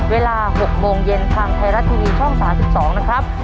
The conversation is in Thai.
เวลา๖โมงเย็นทางไทยรัฐทีวีช่อง๓๒นะครับ